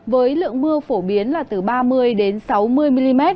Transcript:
với lượng mưa phổ biến là từ ba mươi sáu mươi mm